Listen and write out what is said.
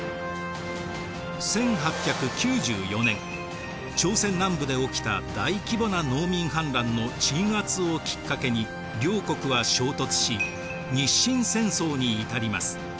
１８９４年朝鮮南部で起きた大規模な農民反乱の鎮圧をきっかけに両国は衝突し日清戦争に至ります。